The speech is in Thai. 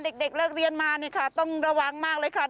เด็กเลิกเรียนมานี่ค่ะต้องระวังมากเลยค่ะ